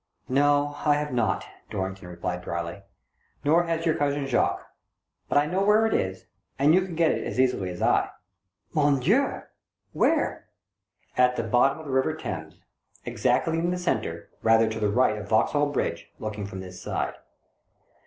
"No, I have not," Dorrington replied drily. " Nor has your cousin Jacques. But I know where it is, and you can get it as easily as I." "Mo7iDieu! Where?" "At the bottom of the river Thames, exactly 150 THE DORBINGTON DEED BOX in *the centre, rather to the right of Vauxhall Bridge, looking from this side.